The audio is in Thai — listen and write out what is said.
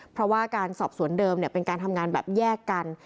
เพราะว่าการสอบสวนเดิมเป็นการทำงานแบบแยกกัน